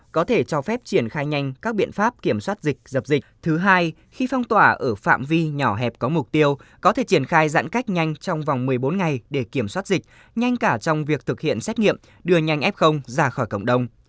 có thể cho phép triển khai nhanh các biện pháp kiểm soát dịch dập dịch thứ hai khi phong tỏa ở phạm vi nhỏ hẹp có mục tiêu có thể triển khai giãn cách nhanh trong vòng một mươi bốn ngày để kiểm soát dịch nhanh cả trong việc thực hiện xét nghiệm đưa nhanh f ra khỏi cộng đồng